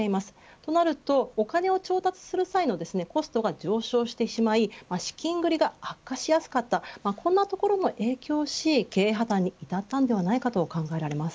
となるとお金を調達する際のコストが上昇してしまい資金繰りが悪化しやすかったこんなところも影響し経営破綻に至ったのではないかと考えられます。